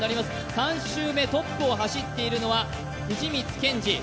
３周目、トップを走っているのは藤光謙司。